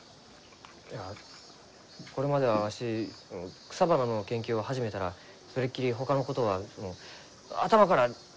いやこれまではわし草花の研究を始めたらそれっきりほかのことは頭から全部かき消えました。